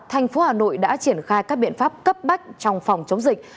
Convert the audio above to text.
thành phố hà nội đã triển khai các biện pháp cấp bách trong phòng chống dịch